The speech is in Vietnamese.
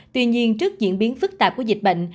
tuy nhiên trước diễn biến phức tạp của dịch bệnh